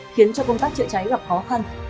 khiến cho công tác trị cháy gặp khó khăn